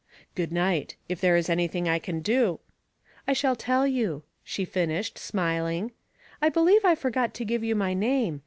"Good night. If there is anything I can do " "I shall tell you," she finished, smiling. "I believe I forgot to give you my name.